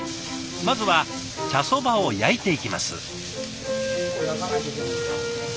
まずは茶そばを焼いていきます。